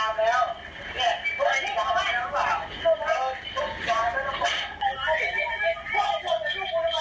มาไปคุยกับพระเจ้าหน่อยด้วย